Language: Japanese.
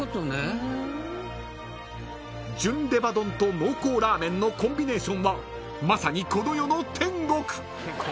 ［純レバ丼と濃厚ラーメンのコンビネーションはまさにこの世の天国］